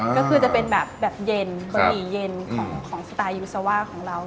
ก็คือจะเป็นแบบเย็นบะหมี่เย็นของสไตล์ยูซาว่าของเรา